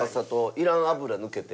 いらん脂抜けて。